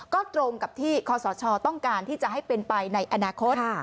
ก็ตรงกับที่คศต้องการที่จะให้เป็นไปในอนาคต